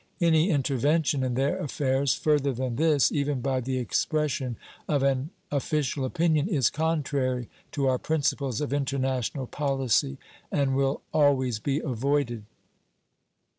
Any intervention in their affairs further than this, even by the expression of an official opinion, is contrary to our principles of international policy, and will always be avoided.